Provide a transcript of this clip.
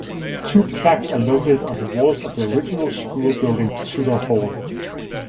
Two plaques are located on the walls of the original school building, Tudor Hall.